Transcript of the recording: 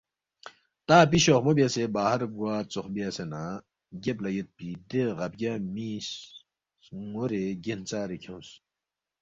تا اپی شوخمو بیاسے باہر گوا ژوخ بیاسے نہ گیب لہ یودپی دے غا بگیا می سنُورے گینژارے کھیونگس